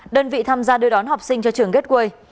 đơn vị tham gia đưa đón học sinh cho trường gateway